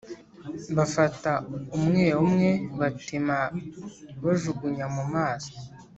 bafata umwe umwe batema bajugunya mumazi